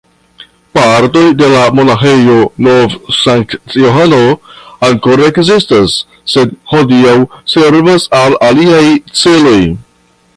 Partoj de la Monaĥejo Nov-Sankt-Johano ankoraŭ ekzistas, sed hodiaŭ servas al aliaj celoj.